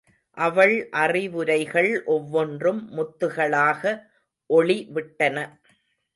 அவள் அறிவுரைகள் ஒவ்வொன்றும் முத்துகளாக ஒளி விட்டன.